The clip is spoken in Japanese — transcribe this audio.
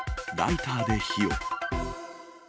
ライターで火を。